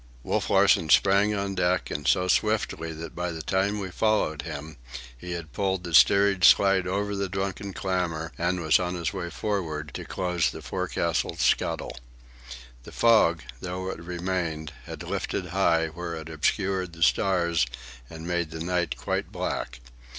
Wolf Larsen sprang on deck, and so swiftly that by the time we followed him he had pulled the steerage slide over the drunken clamour and was on his way forward to close the forecastle scuttle. The fog, though it remained, had lifted high, where it obscured the stars and made the night quite black.